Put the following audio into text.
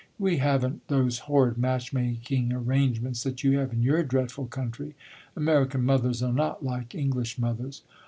We have n't those horrid match making arrangements that you have in your dreadful country. American mothers are not like English mothers."